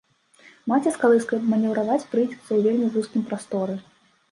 Маці з калыскай манеўраваць прыйдзецца ў вельмі вузкім прасторы.